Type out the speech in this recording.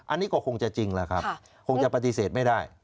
อันนี้ก็คงจะจริงแล้วครับคงจะปฏิเสธไม่ได้